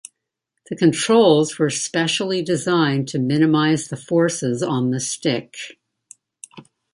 The controls were specially designed to minimize the forces on the stick.